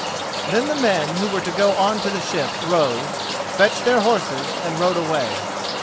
Then the men who were to go on to the ship rose, fetched their horses, and rode away.